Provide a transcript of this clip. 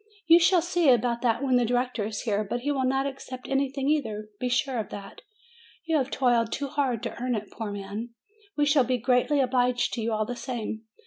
You shall see about that when the director is here. But he will not accept anything either; be sure of that. You have toiled too hard to earn it, poor man. We shall be greatly obliged to you, all the same."